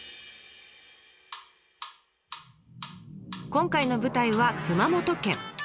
今回の舞台は熊本県。